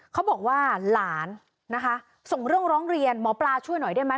เขาบอกว่าหลานนะคะส่งเรื่องร้องเรียนหมอปลาช่วยหน่อยได้ไหม